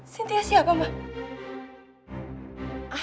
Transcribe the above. sintia siapa ma